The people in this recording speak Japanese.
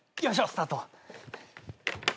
スタート。